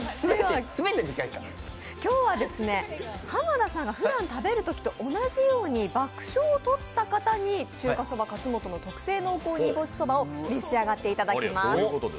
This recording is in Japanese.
今日は濱田さんがふだん食べるときと同じように爆笑をとった方に中華そば勝本の特製濃厚煮干しそばを召し上がっていただきます。